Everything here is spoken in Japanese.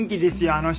あの人。